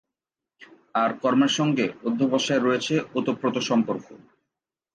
আর কর্মের সঙ্গে অধ্যবসায়ের রয়েছে ওতপ্রোত সম্পর্ক।